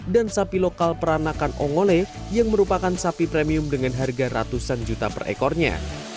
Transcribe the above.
dan sapi lokal peranakan ongole yang merupakan sapi premium dengan harga ratusan juta per ekornya